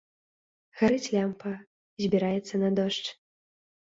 Гарыць лямпа, збіраецца на дождж.